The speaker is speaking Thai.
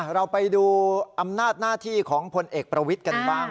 เราไปดูอำนาจหน้าที่ของพลเอกประวิทย์กันบ้าง